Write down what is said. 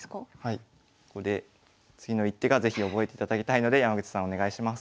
ここで次の一手が是非覚えていただきたいので山口さんお願いします。